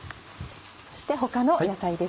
そして他の野菜です。